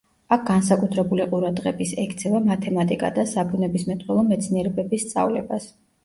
აქ განსაკუთრებული ყურადღების ექცევა მათემატიკა და საბუნებისმეტყველო მეცნიერებების სწავლებას.